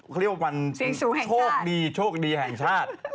คือวันโชคดีโชคดีแห่งชาติ